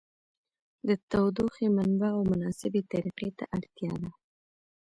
د تودوخې منبع او مناسبې طریقې ته اړتیا ده.